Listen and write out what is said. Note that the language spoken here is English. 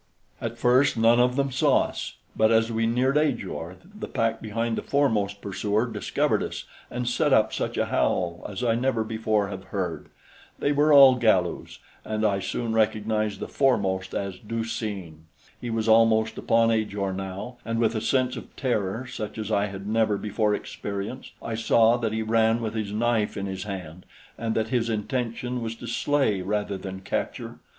At first none of them saw us; but as we neared Ajor, the pack behind the foremost pursuer discovered us and set up such a howl as I never before have heard. They were all Galus, and I soon recognized the foremost as Du seen. He was almost upon Ajor now, and with a sense of terror such as I had never before experienced, I saw that he ran with his knife in his hand, and that his intention was to slay rather than capture.